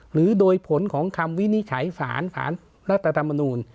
หรือโดยผลของคำวินิจฉัยสารรัฐธรรมนูล